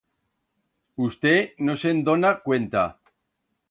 Usté no se'n dona cuenta.